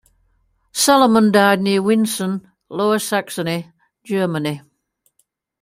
Salomon died near Winsen, Lower Saxony, Germany.